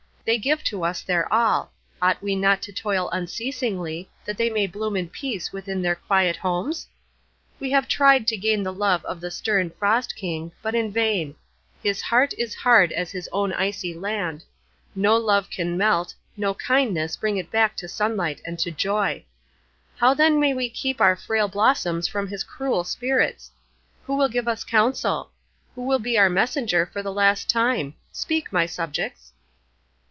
They give to us their all; ought we not to toil unceasingly, that they may bloom in peace within their quiet homes? We have tried to gain the love of the stern Frost King, but in vain; his heart is hard as his own icy land; no love can melt, no kindness bring it back to sunlight and to joy. How then may we keep our frail blossoms from his cruel spirits? Who will give us counsel? Who will be our messenger for the last time? Speak, my subjects."